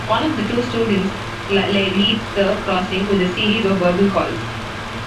One of the two students leads the crossing with a series of verbal calls.